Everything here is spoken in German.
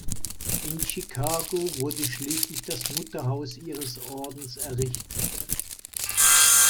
In Chicago wurde schließlich das Mutterhaus ihres Ordens errichtet.